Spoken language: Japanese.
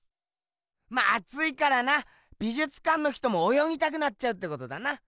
まあついからな美じゅつかんの人もおよぎたくなっちゃうってことだな。